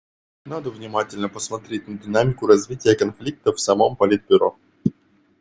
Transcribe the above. Надо внимательно посмотреть на динамику развития конфликта в самом Политбюро.